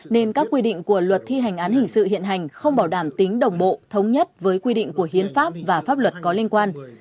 nên các quy định của luật thi hành án hình sự hiện hành không bảo đảm tính đồng bộ thống nhất với quy định của hiến pháp và pháp luật có liên quan